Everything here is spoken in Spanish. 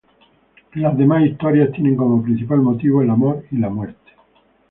Las demás historias tienen como principal motivo el amor y la muerte.